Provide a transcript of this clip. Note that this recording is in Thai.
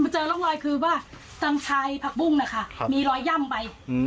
เจอร่องรอยคือว่าทางชายผักบุ้งนะคะมีรอยย่ำไป